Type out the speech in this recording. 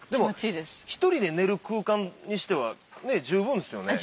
１人で寝る空間にしては十分ですよね？